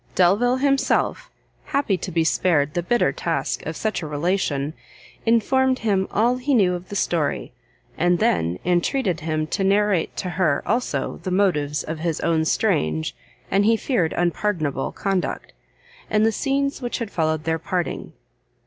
Delvile himself, happy to be spared the bitter task of such a relation, informed him all he knew of the story, and then entreated him to narrate to her also the motives of his own strange, and he feared unpardonable conduct, and the scenes which had followed their parting.